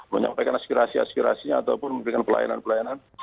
menyampaikan aspirasi aspirasinya ataupun memberikan pelayanan pelayanan